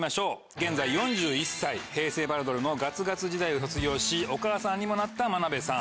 現在４１歳平成バラドルのガツガツ時代を卒業しお母さんにもなった眞鍋さん。